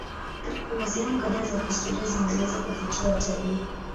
Kuna sehemu kadhaa za kihistoria zinazoweza kuvutia watalii.